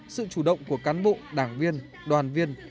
sự chủ động của cán bộ đảng viên đoàn viên